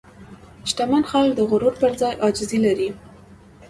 شتمن خلک د غرور پر ځای عاجزي لري.